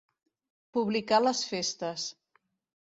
Publicar les festes.